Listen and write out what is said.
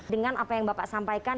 dengan apa yang bapak sampaikan